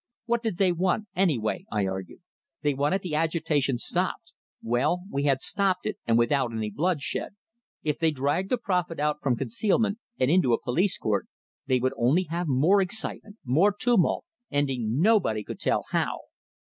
What did they want anyway? I argued. They wanted the agitation stopped. Well, we had stopped it, and without any bloodshed. If they dragged the prophet out from concealment, and into a police court, they would only have more excitement, more tumult, ending nobody could tell how.